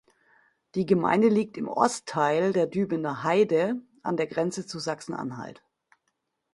Die Gemeinde liegt im Ostteil der "Dübener Heide" an der Grenze zu Sachsen-Anhalt.